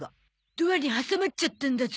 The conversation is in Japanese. ドアに挟まっちゃったんだゾ。